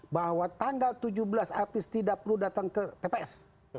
bahwa tanggal tujuh belas apis tidak perlu datang ke tps